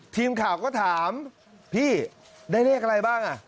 ทีมข่าวก็ถามพี่ได้เลขอะไรบ้างอ่ะ